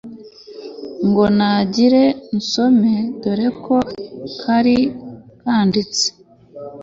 ngo ntangire nsome dore uko kari kanditse